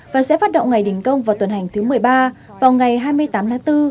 và sẽ phát động ngày đình công vào tuần hành thứ một mươi ba vào ngày hai mươi tám tháng bốn